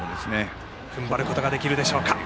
踏ん張ることができるでしょうか。